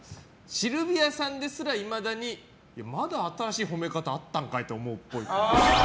シルビアさんですら、いまだにまた新しい褒め方あったんかい！って思うっぽい。